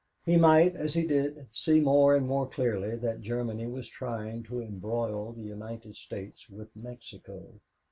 He might, as he did, see more and more clearly that Germany was trying to embroil the United States with Mexico.